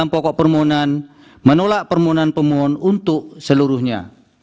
sfc termohon dan sfc pihak terkait untuk seluruhnya